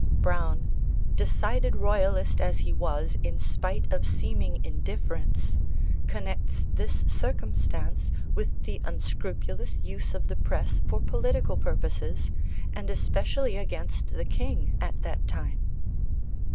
Browne, decided royalist as he was in spite of seeming indifference, connects this circumstance with the unscrupulous use of the press for political purposes, and especially against the king, at that time.